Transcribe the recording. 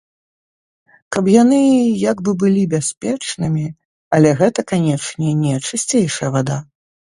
Каб яны як бы былі бяспечнымі, але гэта, канечне, не чысцейшая вада.